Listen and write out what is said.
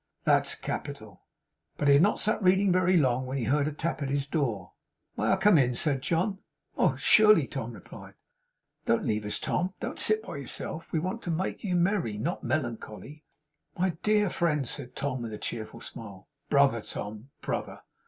That's capital!' But he had not sat reading very long, when he heard a tap at his door. 'May I come in?' said John. 'Oh, surely!' Tom replied. 'Don't leave us, Tom. Don't sit by yourself. We want to make you merry; not melancholy.' 'My dear friend,' said Tom, with a cheerful smile. 'Brother, Tom. Brother.